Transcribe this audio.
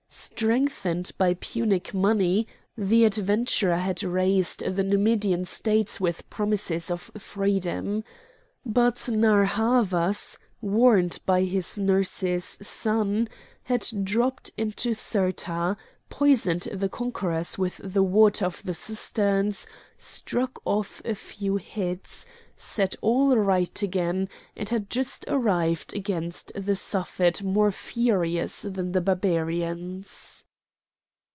Strengthened by Punic money, the adventurer had raised the Numidian States with promises of freedom. But Narr' Havas, warned by his nurse's son, had dropped into Cirta, poisoned the conquerors with the water of the cisterns, struck off a few heads, set all right again, and had just arrived against the Suffet more furious than the Barbarians.